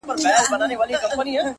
د هوی و های د محفلونو د شرنګاه لوري’